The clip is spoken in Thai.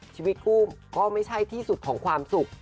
ชีวิตคู่ก็ไม่ใช่ที่สุดของความสุข